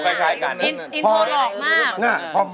อินโทรหลอกมาก